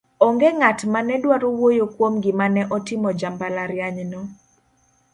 onge ng'at mane dwaro wuoyo kuom gima ne otimo jambalariany no